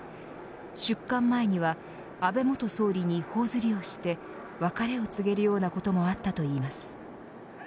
出棺前には安倍元総理に頬ずりをして別れを告げるようなこともあったといいます。